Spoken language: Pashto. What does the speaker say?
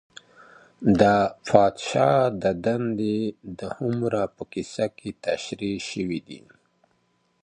د پادشاه دندې د هومر په کيسه کي تشريح سوې دي.